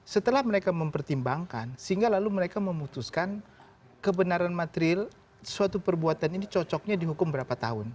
setelah mereka mempertimbangkan sehingga lalu mereka memutuskan kebenaran material suatu perbuatan ini cocoknya dihukum berapa tahun